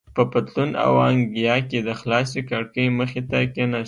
په پتلون او انګیا کې د خلاصې کړکۍ مخې ته کېناستم.